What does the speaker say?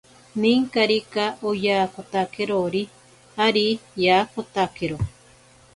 Ninkarika oyatakotakerori ari yaakotakero.